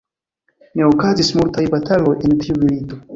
Ne okazis multaj bataloj en tiu milito.